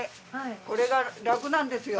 これが楽なんですよ。